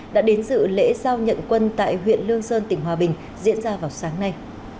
đã đến dự lễ giao nhận quân tại huyện lương sơn tỉnh hòa bình diễn ra vào sáng nay